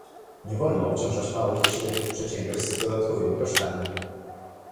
Nie wolno obciążać małych i średnich przedsiębiorstw dodatkowymi kosztami